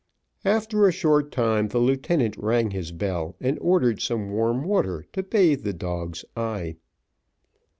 After a short time the lieutenant rang his bell, and ordered some warm water, to bathe the dog's eye.